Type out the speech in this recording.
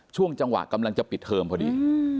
ช่วงจังหวะกำลังจะปิดเทอมพอดี